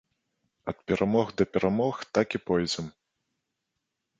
Ад перамог да перамог так і пойдзем.